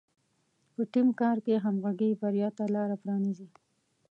په ټیم کار کې همغږي بریا ته لاره پرانیزي.